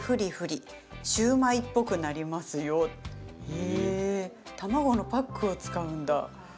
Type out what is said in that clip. へえ、卵のパックを使うんだ。